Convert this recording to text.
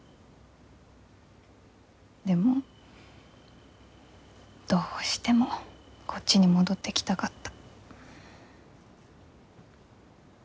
でもどうしてもこっちに戻ってきたかった。